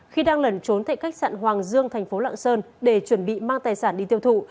khi đang lẩn trốn tại khách sạn hoàng dương thành phố lạng sơn để chuẩn bị mang tài sản đi tiêu thụ